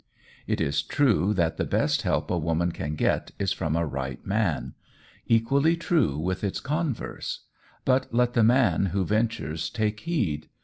It is true that the best help a woman can get is from a right man equally true with its converse; but let the man who ventures take heed.